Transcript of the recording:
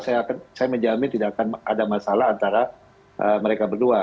saya menjamin tidak akan ada masalah antara mereka berdua